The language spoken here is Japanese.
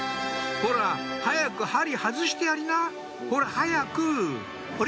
ほら早く針外してやりなほら早くあれ？